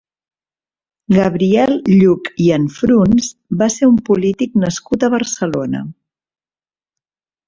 Gabriel Lluch i Anfruns va ser un polític nascut a Barcelona.